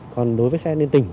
còn đối với xe lên tỉnh